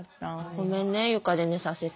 ごめんね床で寝させて。